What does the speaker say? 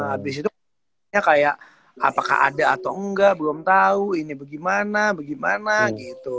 abis itu kayak apakah ada atau enggak belum tau ini bagaimana bagaimana gitu